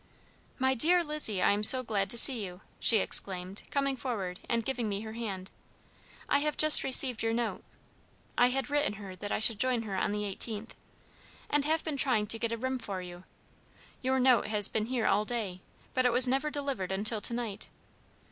"My dear Lizzie, I am so glad to see you," she exclaimed, coming forward and giving me her hand. "I have just received your note" I had written her that I should join her on the 18th "and have been trying to get a room for you. Your note has been here all day, but it was never delivered until to night.